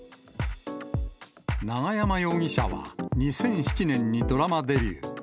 永山容疑者は２００７年にドラマデビュー。